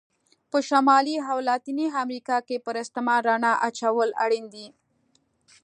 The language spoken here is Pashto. په شمالي او لاتینې امریکا کې پر استعمار رڼا اچول اړین دي.